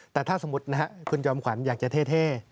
แต่ถ้าสมมุตินะครับคุณจอมขวัญอยากจะเท่